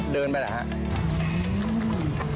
เดินไปล่ะครับ